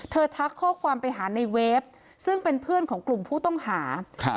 ทักข้อความไปหาในเวฟซึ่งเป็นเพื่อนของกลุ่มผู้ต้องหาครับ